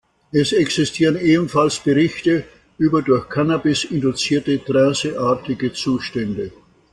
Es existieren ebenfalls Berichte über durch Cannabis induzierte Trance-artige Zustände.